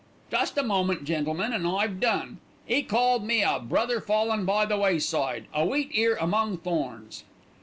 "Just a moment, gentlemen, and I've done. 'E called me 'a brother fallen by the wayside, a wheat ear among thorns.'"